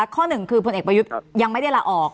ข้อหนึ่งคือพลเอกประยุทธ์ยังไม่ได้ลาออก